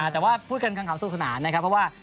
แต่ว่าพูดกันข้างขำสนุกสนานนะครับเพราะว่า